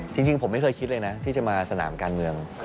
จริงผมไม่เคยคิดเลยนะที่จะมาสนามการเมือง